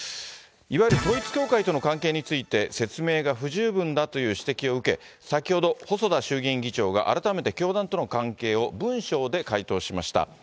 いわゆる統一教会との関係について、説明が不十分だという指摘を受け、先ほど、細田衆議院議長が改めて教団との関係を文書で回答しました。